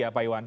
ya pak iwan